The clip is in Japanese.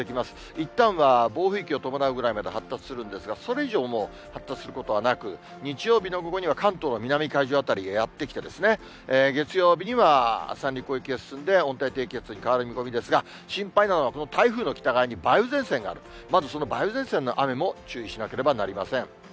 いったんは暴風域を伴うぐらいまで発達するんですが、それ以上もう発達することはなく、日曜日の午後には関東の南海上辺りまでやって来て、月曜日には三陸沖へ進んで、温帯低気圧に変わる見込みですが、心配なのはこの台風の北側に梅雨前線がある、まずその梅雨前線の雨にも注意しなければなりません。